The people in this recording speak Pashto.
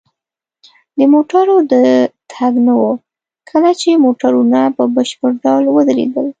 د موټرو د تګ نه وه، کله چې موټرونه په بشپړ ډول ودرېدل.